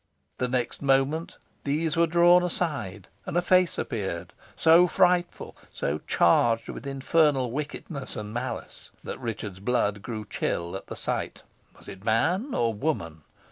The next moment these were drawn aside, and a face appeared, so frightful, so charged with infernal wickedness and malice, that Richard's blood grew chill at the sight. Was it man or woman?